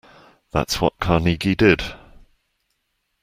That's what Carnegie did.